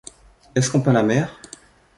Est-ce qu’on peint la mer ?